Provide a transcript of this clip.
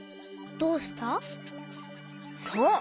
そう！